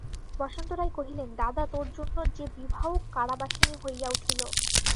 বসন্ত রায় কহিলেন, দাদা, তোর জন্য যে বিভাও কারাবাসিনী হইয়া উঠিল।